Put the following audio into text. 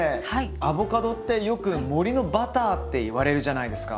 アボカドってよく森のバターっていわれるじゃないですか。